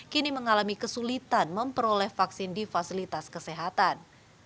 kini mengalami kesulitan memperoleh vaksin di fasilitas kesehatan